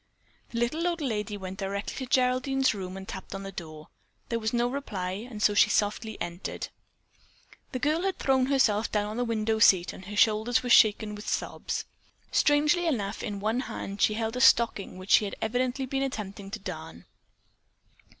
The little old lady went directly to Geraldine's room and tapped on the door. There was no reply and so she softly entered. The girl had thrown herself down on the window seat and her shoulders were shaken with sobs. Strangely enough in one hand she held a stocking which she had evidently been attempting to darn.